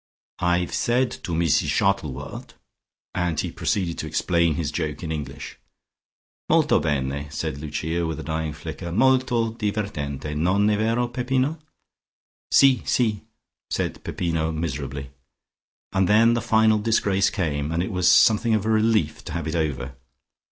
"I've said to Meesis Shottlewort" ... and he proceeded to explain his joke in English. "Molto bene," said Lucia with a dying flicker. "Molto divertente. Non e vero, Peppino." "Si, si," said Peppino miserably. And then the final disgrace came, and it was something of a relief to have it over.